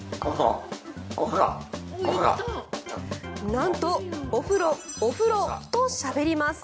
なんとお風呂、お風呂としゃべります。